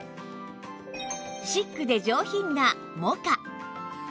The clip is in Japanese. シックで上品なモカ